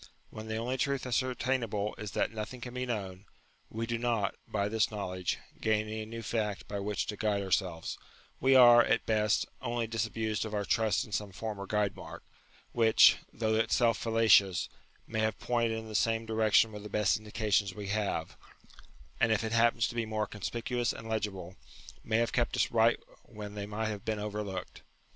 "When the only truth ascertainable is that nothing can be known, we do not, by this knowledge, gain any new fact by which to guide ourselves ; we are, at best, only disabused of our trust in some former guide mark, which, though itself fallacious, may have pointed in the same direction with the best indications we have, and if it happens to be more conspicuous and legible, may have kept us right when they might have been over looked.